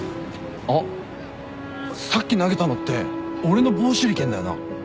あっさっき投げたのって俺の棒手裏剣だよな？